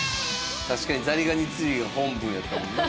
確かにザリガニ釣りが本分やったもんね。